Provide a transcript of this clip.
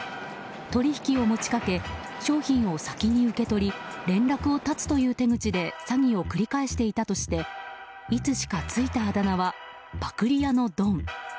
取引を持ちかけ商品を先に受け取り連絡を絶つという手口で詐欺を繰り返していたとしていつしかついたあだ名はパクり屋のドン。